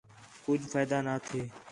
کُج فائدہ نَے تِھیا